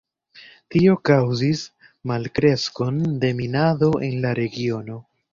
Tio kaŭzis malkreskon de minado en la regiono.